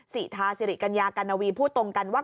ศรีฐาศรีริกัญญากัณวีพูดตรงกันว่า